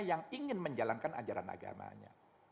yang ingin menjalankan ajaran agamanya